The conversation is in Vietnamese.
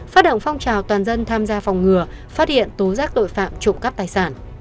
phát động phong trào toàn dân tham gia phòng ngừa phát hiện tố giác tội phạm trộm cắp tài sản